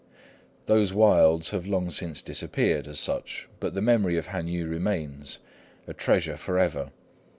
Those wilds have long since disappeared as such, but the memory of Han Yü remains, a treasure for ever.